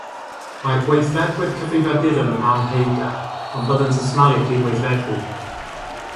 Mae'r gweithredwyr cyfrifiaduron yn amheugar, ond byddant yn smalio cydweithredu.